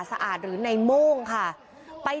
สวัสดีครับ